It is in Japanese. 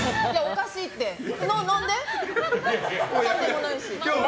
かんでもないし。